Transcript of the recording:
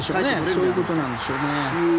そういうことなんでしょうね。